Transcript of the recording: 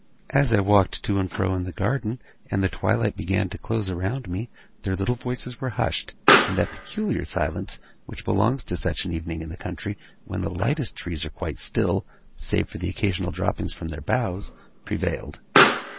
As I walked to and fro in the garden, and the twilight began to close around me, their little voices were hushed; and that peculiar silence which belongs to such an evening in the country when the lightest trees are quite still, save for the occasional droppings from their boughs, prevailed.